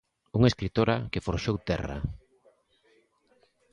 Unha escritora que forxou terra.